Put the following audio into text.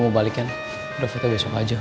mau balik ya udah fitur besok aja